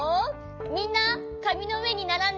みんなかみのうえにならんで。